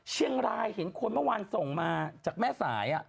เชียงรายเห็นคนเมื่อวานส่งมาจากแม่สาย